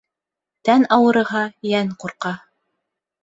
Тән ауырыһа, йән ҡурҡа.